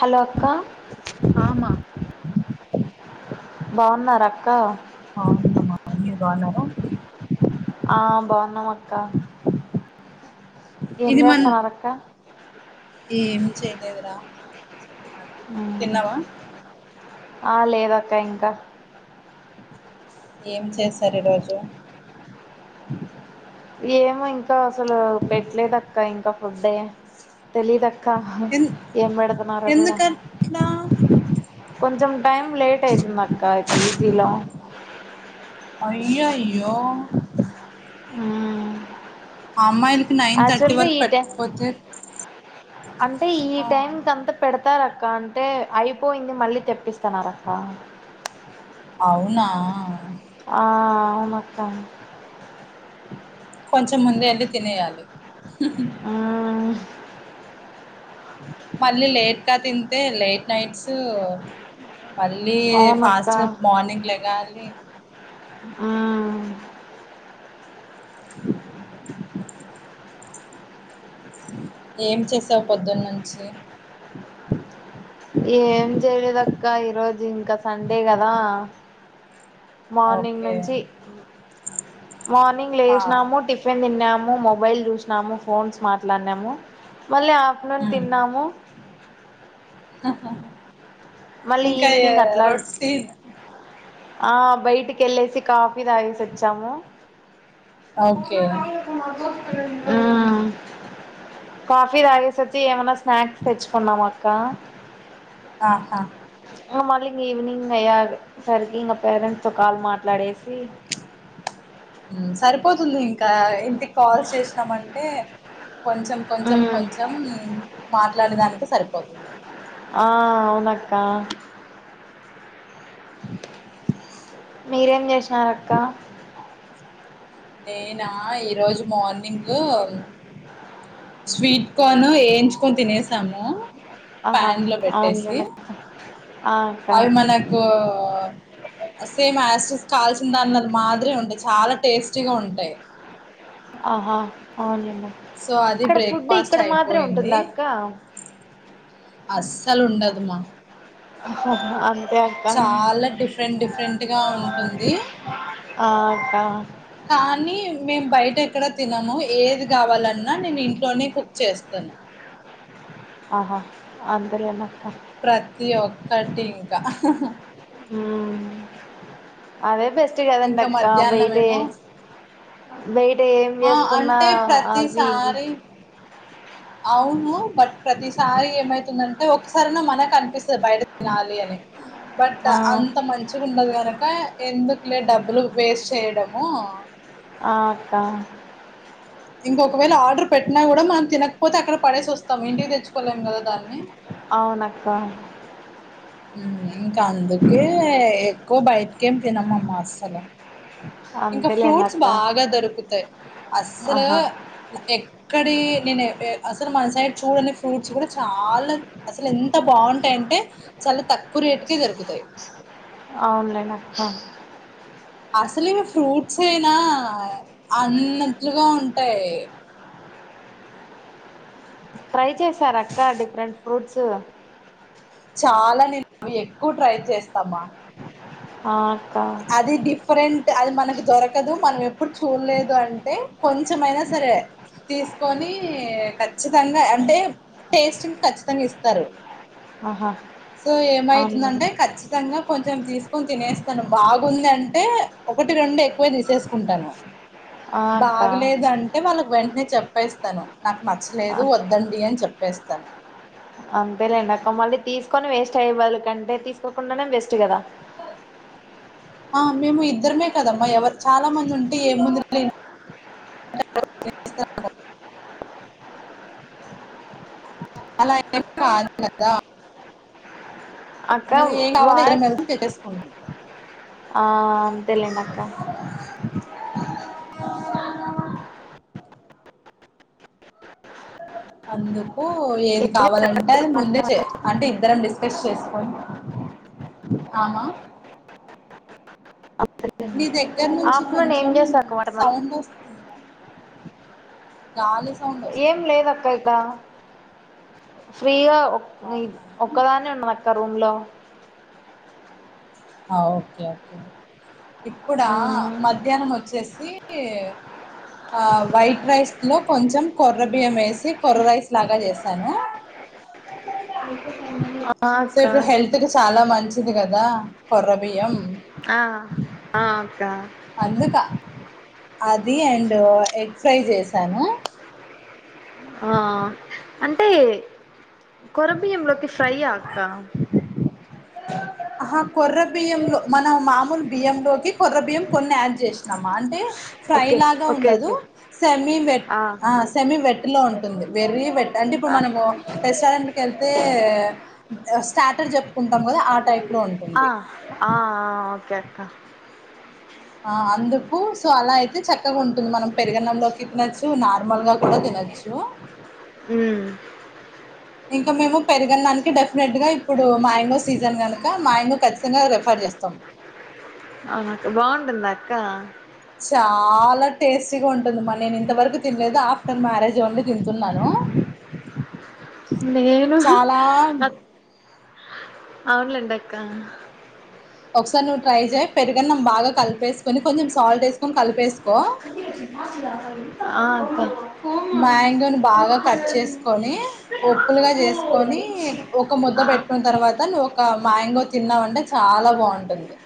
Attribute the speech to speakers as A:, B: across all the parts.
A: Hello అక్క
B: ఆమా
A: బాగున్నారా అక్క
B: బాగున్నామమ్మ మీరు బాగున్నారా
A: ఆ బాగున్నామ్ అక్క ఎమ్
B: ఇది మన్
A: చేస్తున్నారక్క
B: ఏం చేయలేదురా చెప్పాలి తిన్నావా
A: ఆ లేదక్క ఇంకా
B: ఏం చేసారు ఈ రోజు
A: ఏమో ఇంకా అసలు పెట్టలేదక్క ఇంకా ఫుడ్డే తెలిదక్ క్క
B: ఎన్
A: ఏం పెడుతున్నారో కూడా
B: ఎందుకట్లా
A: కొంచెం టైం లేట్ అయితుంది అక్క ఈ పిజీలో
B: అయ్యయ్యో
A: ఆమ్
B: ఆ అమ్మాయిలకి నైన్ థర్టీ వరకు
A: టైం
B: పెట్టకపోతే
A: అంటే ఈ
B: ఆ
A: టైంకీ అంత పెడత వస్తారక్క అంటే అయిపోయింది మళ్ళీ తెపిస్తానరక్క
B: అవునా
A: అవునక్కా
B: కొంచెం ముందే వెళ్ళి తినేయాలి
A: మ్మ్.
B: మళ్ళీ లేట్గా తింతే లేట్ నైట్స్ మళ్ళీ ఫాస్ట్గా
A: అవునక్క
B: మార్నింగ్ లేగలి
A: ఆ
B: ఏం చేసావు పొద్దున్న నుంచి
A: ఏం చేయలేదక్క ఈరోజు ఇంకా సండే కదా మార్నింగ్
B: ఓకే
A: నుంచి మార్నింగ్లు
B: ఆ
A: లెసినాము టిఫిన్ తిన్నాము మొబైల్ చూసినాము ఫోన్స్ మాట్లాడినాము మళ్ళీ ఆఫ్టర్నూన్
B: ఉమ్
A: తిన్నాము మళ్ళీ
B: ఇంకా ఎ
A: ఈవినింగ్ అట్లా
B: రొట్టి
A: ఆ బయటికి ఎల్లేసి కాఫీ తాగేసి వచ్చాము
B: ఓకే
A: ఆ కాఫీ తాగేసోచి ఏమన పాడ్స్ తెచ్చకునావక్క
B: ఆహా
A: ఇగా మల్లి ఈవినింగ్ వేయాలి సార్కి ఇంకా పరంట్స్ నీతో కాల్ మాట్లాడేసి
B: పోతుంది ఇంకా కాల్ చేసినాంటే కొంచెం కొంచెం కొంచెం మాట్లాడేదానికి సరిపోతుంది
A: ఆ అవునాక్కా మీరేం చేసినరక్క
B: నేనా ఈరోజు మార్నింగ్ స్వీట్ కార్న్ వేయించుకొని తినేసాము
A: ఆహా
B: ప్యాన్ లో పెట్టేసి
A: అవునులేండి ఆ అక్క
B: అది మనకు సేమ్ కాల్చిన దానిలో అది మాదిరిగా ఉంటాయి చాలా టేస్టీగా ఉంటాయి
A: ఆహా అవునా
B: సో అది
A: అక్కడ ఫుడ్
B: బ్రేక్ఫాస్ట్
A: ఇక్కడ మాత్రమే ఉంటుంద
B: అయిపోయింది
A: అక్క
B: అస్సలుండదుమ్మా
A: ఓహో అవును
B: చాలా డిఫరెంట్ డిఫరెంట్గా ఉంటుంది
A: ఆ అక్క
B: కాలి మేము బయట ఎక్కడ తినను ఏది కావాలన్నా నేను ఇంట్లోనే కుక్ చేస్తాను
A: ఆహా అందరు ఎమో
B: ప్రతి ఒక్కటి ఇంకా
A: మ్మ్. అదే బెస్ట్ కదండి
B: ఇంకా
A: అక్క
B: మధ్యాహ్నం
A: బైటే
B: ఏమో
A: బయట ఏం
B: ఆ
A: చేసుకున్నా
B: అంటే
A: అవి ఇవి
B: ప్రతిసారి అవును బట్ ప్రతిసారి ఏమైతుందంటే ఒకసారిన్నా మనకు అనిపిస్తాది బయట తినాలి అని. బట్
A: ఆ
B: అంత మంచిగా ఉండదు గనుక ఎందుకు? డబ్బులు వేస్ట్ చేయడము
A: ఆ అక్కా
B: ఇంకొకవేళ ఆర్డర్ పెట్టినా కూడా మనం తినకపోతే అక్కడ పడేసి వస్తాం ఇంటికి తెచ్చుకోలేం కదా. దాన్ని
A: అవునక్కా
B: ఇంకా అందుకే ఎక్కువ బయటకేం తినమమ్మ అస్సలు
A: [inaudible]
B: ఇంకా ఫ్రూట్స్
A: అక్క
B: బాగా దొరుకుతాయి. అసలు
A: ఆహా
B: ఎక్కడ నేను అసలు మనసైడ్ చూడని ఫ్రూట్స్ కూడా చాలా అసలు ఎంత బాగుంటాయంటే చాలా తక్కువ తక్కువ రేటుకే దొరుకుతాయి.
A: హహ్
B: అసలు ఇవి ఫ్రూట్స్ యేనా అన్నట్లుగా ఉంటాయి.
A: ట్రై చేశారా అక్కా డిఫరెంట్ ఫ్రూట్స్
B: చాలా నేను అవి ఎక్కువ ట్రై చేస్తామా
A: ఆ
B: అది డిఫరెంట్ అది మనకు దొరకదు మనం ఎప్పుడూ ఎప్పుడూ చూడలేదు అంటే కొంచెమైనా సరే తీసుకొని ఖచ్చితంగా అంటే టేస్ట్ంగ్ ఖచ్చితంగా ఇస్తారు.
A: ఆహా
B: సో
A: అవునా
B: ఏమైతుందంటే ఖచ్చితంగా కొంచెం తీసుకొని తినే బాగుందింటే ఒకటి రెండు ఎక్కువే తీసేసుకుంటాను.
A: ఆ అక్క
B: బాగలేదు అంటే వాళ్ళకు వెంటనే చెప్పేస్తాను. నాకు
A: ఆ,
B: నచ్చలేదు వద్దండి అని చెప్పేస్తాను.
A: అంతేలేండి అక్కా మళ్ళీ తీసుకొని వేస్ట్ అయ్యే బదులు తీసుకోకుండానే బెస్ట్ కదా. [inaudible]
B: ఆ మేము ఇద్దరమే కదమ్మా ఎవరు చాలా మంది ఉంటే ఏ ముందు లే అలా ఏం కాదు కదా
A: అక్క
B: అక్కా ఇంకేం కావాలో ఇద్దరం
A: వాయిస్
B: కలసి తెచ్చుసుకుంటాం.
A: ఆ అంతే లెండక్కా
B: [unintelligible] అందరూ ఓ ఏది
A: ఏం చేస్తారు
B: కావాలంటే అది ముందే చే అంటే ఇద్దరం డిస్కస్ చేసుకొని అవునా దగ్గర నుంచి
A: ఆఫ్టర్నూన్ ఏం
B: కొంచెం
A: చేస్తవక్కా వంట మళ్ళీ
B: సౌండ్ వస్తుంది గాలి సౌండ్
A: ఏం
B: వస్తుంది
A: లేదు అక్క ఇక ఫ్రీగా
B: అవునా
A: ఒక్కదాన్నే ఉన్నాను అక్కా రూమ్ లో.
B: ఆ ఓకే. ఓకే. ఇప్పుడా మధ్యాహ్నం వచ్చేసి ఆ వైట్ రైస్ లో కొంచెం కొర్ర బియ్యం వేసి కొర్ర రైస్ లాగా చేసాను.
A: ఆ
B: సో
A: అక్క
B: ఇప్పుడు హెల్త్ కి చాలా మంచిది కదా కొర్ర బియ్యం.
A: ఆ అక్కా
B: అందుకా, అది అండ్ ఎగ్ ఫ్రై చేశాను.
A: ఆ అంటే కొర్ర బియ్యంలోకి ఫ్రై ఆ కరం
B: ఆహా కొర్ర బియ్యం లో మనం మామూలు బియ్యంలోకి కొర్ర బియ్యం కొన్ని యాడ్ చేస్ అంటే ఫ్రై
A: ఓకే
B: లాగా
A: ఓకే
B: ఉండదు
A: ఓకే
B: సెమి వెట్ ఆ సెమి వెట్లో వెర్రి వెట్ అంటే ఇప్పుడు
A: ఆ
B: మనము రెస్టారెంట్ వెళ్తే స్టాటర్ చె కుంటాం కదా ఆ టైప్
A: ఆ ఆ ఓకే అక్క
B: ఆ అందుకు సో అలా అయితే చక్కగా ఉంటుంది మనం పెరిగన్నంలోకి తినొచ్చు నార్మల్ గా కూడా తినచ్చు
A: అ
B: ఇంకా మేము పెరుగన్ననికి డెఫినెట్ గా ఇప్పుడు మాంగో సీజన్ కనుక మాంగో ఖచ్చితంగా రిఫర్ చేస్తాం
A: అవునక్క బాగుంటుంద అక్క
B: చాలా టేస్టీగా ఉంటుంది మరి నేను ఇంతవరకు తినలేదు ఆఫ్టర్ మ్యారేజ్ ఓన్లీ తింటున్నాను
A: నేను
B: చాలా
A: ఆ అవునులేండి అక్క
B: ఒకసారి నువ్వు ట్రై చేయి పెరుగన్నం బాగా కలిపేకొని కొంచం సాల్ట్ వేసుకొని కలిపేసు
A: ఆ అక్క
B: మ్యాంగోను బాగా కట్ చేసుకొని ఉప్పులుగా చేసుకొని ఒక ముద్ద
A: ఆ
B: పెట్టుకున్న తర్వాత నువ్వు ఒక మ్యాంగో తిన్నావ అంటే చాలా బాగుంటుంది.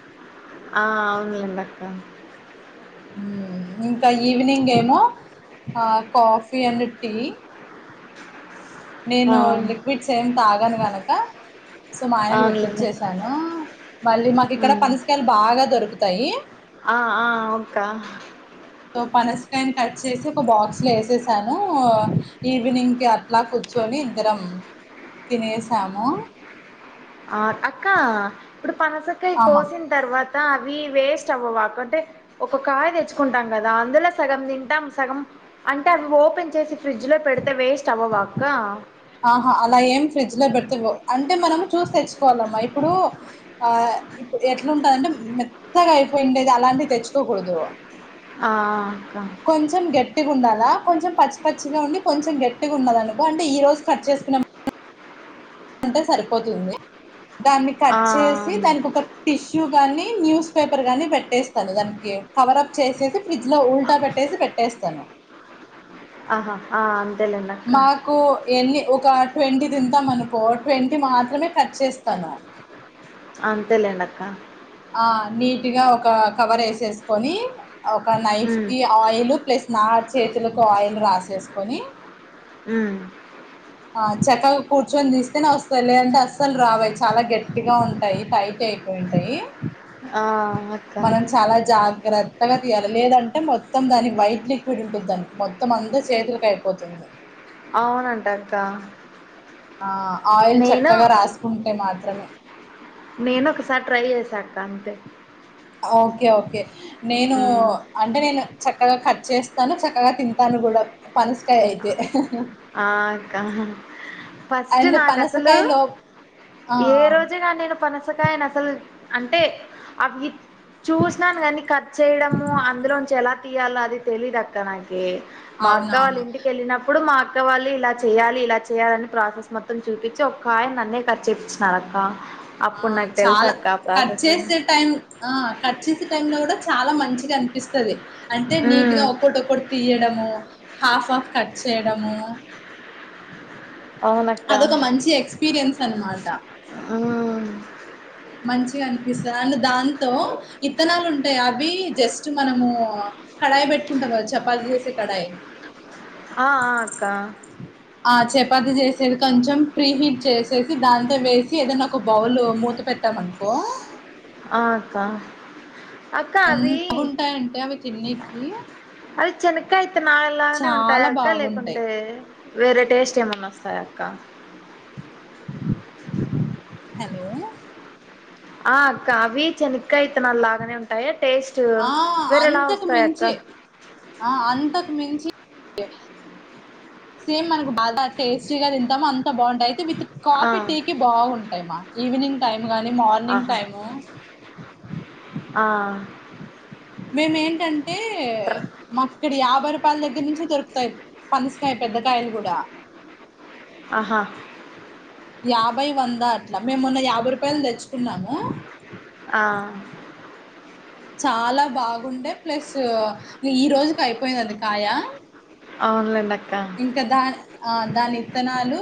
A: ఆ అవునులేండక్క
B: ఇంకా ఈవినింగ్ ఏమో కాఫీ అండ్ టీ
A: ఆ
B: నేను లిక్విడ్స్ ఏం తాగాను గనక సో మా ఆయనకు
A: అవునులేండి
B: పట్టించసాను మళ్ళీ మాకి ఇక్కడ
A: ఉమ్
B: పనసకాయలు బాగా దొరుకుతాయి
A: ఆ ఆ అక్క
B: సో పనస్కాయని కట్ చేసి ఒక బాక్స్ లో వేసేసాను ఈవినింగ్ కి అట్లా కూర్చో ని ఇద్దరం తినసాము.
A: ఆ అక్క ఇప్పుడు పనసకాయ
B: ఆమా
A: కోసిన తర్వాత అవి వేస్ట్ అవ్వవాక అంటే ఒక కాయ తెచ్చుకుంటాం కదా అందులో సగం తింటాం సగం అంటే అవి ఓపెన్ చేసి ఫ్రిడ్జ్లో పెడితే వేస్ట్ అవ్వవ అక్క
B: ఆహా అలా ఏం ఫ్రిడ్జ్ లో పెడితే అంటే మనము చూసి తెచ్చుకోవాలమ్మా ఇప్పుడు ఆ ఇప్పుడు ఎట్లాంటదంటే మెత్తగా అయిపోయిండేది అలాంటివి తెచ్చుకోకూడదు.
A: ఆ
B: కొంచెం గట్టిగా ఉండాలి. అ కొంచెం పచ్చి పచ్చిగా ఉండి కొంచెం గట్టిగా ఉన్నదనుకో అంటే ఈ రోజు కట్ చేసుకున్న కుంటే సరిపోతుంది దాన్ని
A: ఆ!
B: కట్ చేసి దానికి ఒక టిష్యూ గానీ న్యూస్ పేపర్ గానీ పెట్టేస్తాను దానికి కవర్ అప్ చేసేసి ఫ్రిడ్జ్ లో ఉల్టా పెట్టేసి పెట్టేస్తా స్తను
A: ఆహా ఆ అ
B: మాకు ఎరికె ఒక ట్వంటీ తింటాం అనుకో ట్వంటీ మాత్రమే కట్ చేస్తాను.
A: అంతేలేండి అక్క
B: ఆ నీట్ గా ఒక కవర్ వేసేసుకొని ఒక నైఫ్
A: హ్మ్.
B: కి ఆయిల్ ప్లస్ నా చేతులకు ఆయిల్ రాసేసుకొని
A: ఉమ్
B: ఆ చక్కగా కూర్చొని తీస్తేనే వస్తాయి లేదంటే అస్సలు రావు చాలా గట్టిగా ఉంటాయి టై అయిపోయింటాయి.
A: ఆ...
B: మనం చాలా జాగ్రత్తగా తీయాలి లేదంటే మొత్తం దానికి వైట్ లిక్విడ్ ఉంటుంది దానికి మొత్తం అంత్ చేతులకు అయిపోతుంది
A: అవునటక్కా
B: ఆ ఆయిల్ చక్కగా రాసుకుంటే మాత్రమే
A: నేను ఒకసారి ట్రై చేశా అక్క అంతే
B: ఓకే ఓకే నేను
A: హ్మ్.
B: అంటే నేను చక్కగా కట్ చేస్తాను చక్కగా తింటాను కూడా పనస్కాయ అయితే
A: ఆ అక్కా ఫస్ట్
B: అండ్
A: నాకస్సలు
B: పనసకాయలో ఆ
A: ఏ రోజైన నేను పనసకాయని అసలు అంటే అవి చూసినాను కానీ కట్ చేయడము అందులోంచి ఎలా తియల అది తెలీదు అక్క నాకి మా అక్క వాళ్ళ
B: అవునవును
A: ఇంటికి వెళ్ళినప్పుడు మాక్ క్క వాళ్ళే ఇలా చేయ్యాలి ఇలా చేయ్యాలి అని ప్రాసెస్ మొత్తం చూపించి ఒక్కాయన నన్నే కట్ చేయ్పిచ్చినారక్క
B: ఆ చాలా కట్ చేసే టైం ఆ కట్ చేసే టైమ్ లో కూడా చాలా మంచి కనిపిస్తది అంటే నీట్గా
A: ఉమ్
B: ఒకటొక్కటి తీయడము హాఫ్ ఆఫ్ కట్ చేయడము
A: అవునక్క
B: అదొక మంచి ఎక్స్పీరియన్స్ అనమాట
A: ఆ...
B: మంచి అనిపిస్తది అండ్ దాంతో ఇత్తనాలు ఉంటాయి అవి జస్ట్ మనము కడాయి పెట్టుకుంటావ్ కదా చపాతి చేసే కడాయి
A: ఆ.... అక్క
B: పది చేసేది కొంచెం ప్రీ హీట్ చేసేసి దాంతో వేసి ఏదైనా ఒక బౌల్ మూత పెట్ ట్ట మనుకో
A: ఆ.. అక్క
B: ఎంత
A: అవి
B: బగుంటాయంటే అవి తిన్నికి
A: చినకాయితే నాలానే
B: చాలా
A: ఉంటాద
B: బాగుంటాయి
A: లేకుంటే వేరే టేస్ట్ ఏమన్నా వస్తాయా అక్క
B: హలో
A: ఆ.. అక్క అవి చెనక్క అయితే నల్లగానే ఉంటాయి
B: ఆ... అంతకు మించి ఆ అంతకు మించి సేమ్ మనకు బాగ టేస్టీగా తింటాము అంత బావుంటాయ్ విత్
A: ఆ
B: కాఫీ టీకి బావుంటాయ్మా ఈవినింగ్ టైమ్ గాని మార్నింగ్
A: ఆహా
B: టైము
A: ఆ...
B: మేము ఏంటంటే
A: ట్ర
B: మాకు ఇక్కడ యాభై రూపాయల దగ్గర నించే దొరుకుతాయి పనస్కాయ పెద్ద కాయల గూడ
A: ఆహా
B: యాభై వంద అట్లా మేమొన్న యాభై రూపాయలు తెచ్చుకున్నాము
A: ఆ
B: చాలా బాగుండే ప్లస్ ఈ రోజు అయిపోయినది కాయా
A: అవునులేండి అక్క
B: ఇంకా దాని ఆ దాని ఇత్తనాలు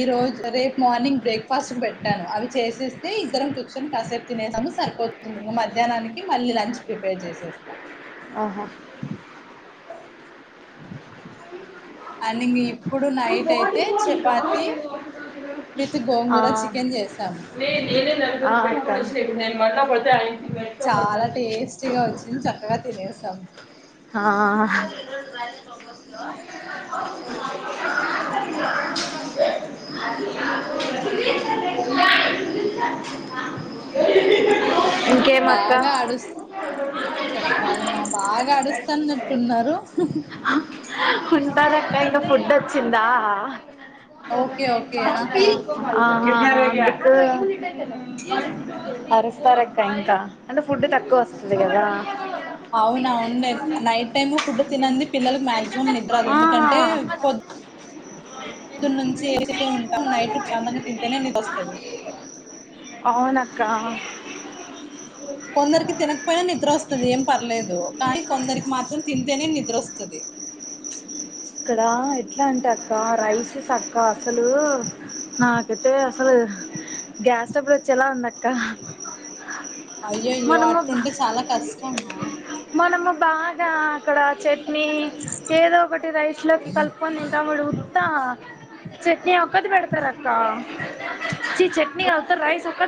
B: ఈ రోజు రేపు మార్నింగ్ బ్రేక్ ఫాస్ట్కి బెట్టాను అవి చేసేస్తే ఇద్దరం కూర్చొని కాసేపు తినేసాము సరిపోతుంది ఇంకా మధ్యాహ్నానికి మళ్ళీ లంచ్ ప్రిపేర్ చేసేస్తా
A: ఆహా
B: అన్నిగి ఇప్పుడు నైట్ అయితే చపాతి విత్
A: ఆ
B: గోంగూర చికెన్ చేసాము
A: ఆ అక్క
B: చాలా టేస్టీగా వచ్చింది చక్కగా తినేసాం
A: హా [inaudible] [inaudible]
B: బాగా ఆడుస్త్ చెప్పాలిమా బాగా ఆడుస్త్ స్తాన్నట్టున్నారు
A: ఉంటారక్క ఇంకా ఫుడ్ వచ్చిందా
B: ఓకే ఓకే ఆహా
A: ఆ అహా అరుస్తారక్క ఇంకా అంటే ఫుడ్ తక్కువ వస్తుది కదా.
B: అవునా అవున్లే నైట్ టైమ్ ఫుడ్ తినంది పిల్లలకు మాక్సిమమ్ నిద్రరాదు
A: ఆ
B: ఎందుకంటే పొద్ పొద్దు నుంచి చేస్తూనే ఉంటాం నైట్ ప్రశాంతంగా తింటేనే నిద్ర వస్తాది.
A: కా
B: కొందరికి తినకపోయినా నిద్ర వస్తది ఏం పర్లేదు కానీ కొందరికి మాత్రం తింటేనే నిద్ర వస్తాది
A: ఇక్కడ ఎట్లా అంటే అక్క రైస్ తక్కువ అసలు నా అయితే అసలు గ్యాస్ ట్రబుల్ వచ్చేలా ఉందక్క
B: అయ్యో అయ్యో
A: మనము బ
B: అట్లుంటే చాలా కష్టం మా
A: మనము బాగా అక్కడ చట్నీ ఏదో ఒకటి రైస్లోకి కలుపుకొని తింటాము వీడు ఉత్తా చట్నీ ఒక్కటి పెడతారక్క చీ చట్నీ ఉత్త రైస్ ఒక్కట్